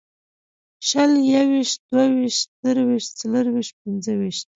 شل یوویشت دوهویشت درویشت څلېرویشت پنځهویشت